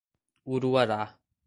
Uruará